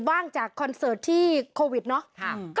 อาราฟิกะ